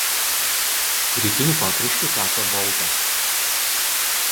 Rytiniu pakraščiu teka Volta.